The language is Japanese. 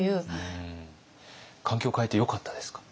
環境変えてよかったですか？